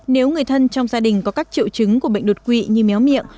nếu người thân trong gia đình có các triệu chứng của bệnh đột quỵ như méo miệng